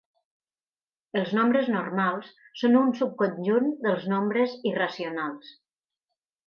Els nombres normals són un subconjunt dels nombres irracionals.